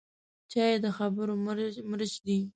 چای د خبرو مرچ دی